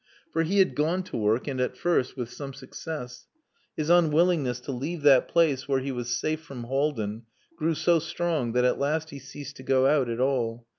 For he had gone to work and, at first, with some success. His unwillingness to leave that place where he was safe from Haldin grew so strong that at last he ceased to go out at all.